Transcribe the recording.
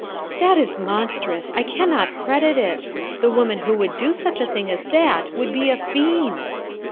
"That is monstrous! I cannot credit it. The woman who would do such a thing as that would be a fiend!"